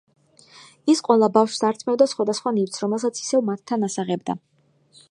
ის ყველა ბავშვს ართმევდა სხვადასხვა ნივთს, რომელსაც ისევ მათთან ასაღებდა.